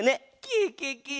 ケケケ！